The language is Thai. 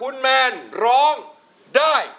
คุณแมนร้องได้